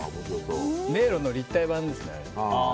迷路の立体版ですね。